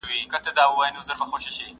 سر تر نوکه زنګېده له مرغلرو!!